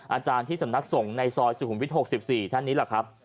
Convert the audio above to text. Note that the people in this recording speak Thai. อาจารย์ที่สำนักส่งในซอยสี่หุ่นวิทย์หกสิบสี่เท่านี้แหละครับ